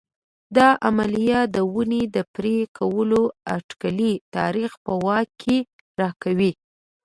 دا عملیه د ونې د پرې کولو اټکلي تاریخ په واک کې راکوي